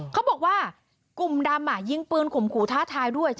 เขาบอกว่ากลุ่มดำยิงปืนข่มขู่ท้าทายด้วย